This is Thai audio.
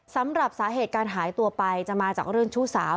สำหรับสาเหตุการหายตัวไปจะมาจากเรื่องชู้สาว